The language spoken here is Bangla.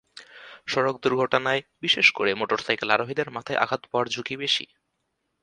সড়ক দুর্ঘটনায়, বিশেষ করে মোটরসাইকেল আরোহীদের মাথায় আঘাত পাওয়ার ঝুঁকি বেশি।